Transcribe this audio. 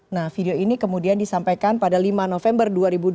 nah video ini kemudian disampaikan pada lima november